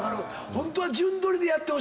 ホントは順撮りでやってほしいのよな。